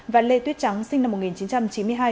và lê tuyết trắng sinh năm một nghìn chín trăm chín mươi hai